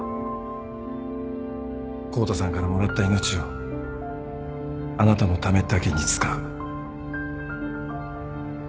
康太さんからもらった命をあなたのためだけに使う。